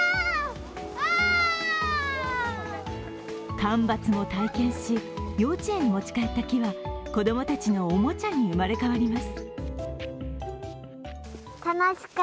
間伐も体験し幼稚園に持ち帰った木は子供たちのおもちゃに生まれ変わります。